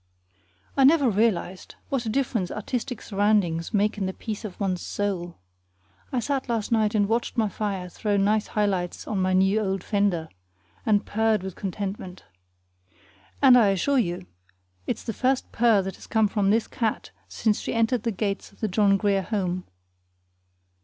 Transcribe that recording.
I never realized what a difference artistic surroundings make in the peace of one's soul. I sat last night and watched my fire throw nice highlights on my new old fender, and purred with contentment. And I assure you it's the first purr that has come from this cat since she entered the gates of the John Grier Home.